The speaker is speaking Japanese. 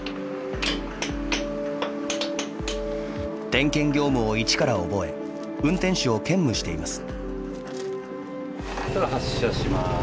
点検業務を一から覚え運転手を兼務しています。